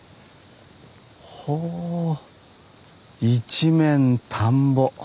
ほう一面田んぼ。